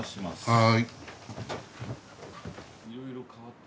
はい。